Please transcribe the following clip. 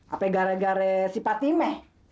apakah gara gara si patime